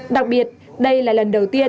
đặc biệt đây là lần đầu tiên